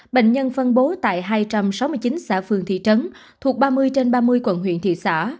bệnh nhân phân bố tại hai trăm sáu mươi chín xã phường thị trấn thuộc ba mươi trên ba mươi quận huyện thị xã